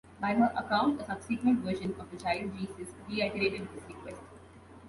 By her account a subsequent vision of the Child Jesus reiterated this request.